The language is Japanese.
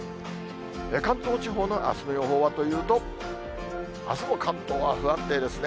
関東地方のあすの予報はというと、あすも関東は不安定ですね。